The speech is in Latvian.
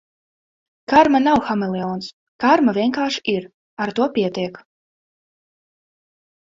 Karma nav hameleons, karma vienkārši ir. Ar to pietiek!